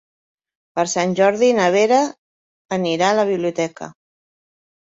Per Sant Jordi na Vera anirà a la biblioteca.